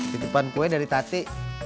titipan kue dari tadi